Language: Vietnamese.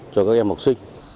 cho các em học sinh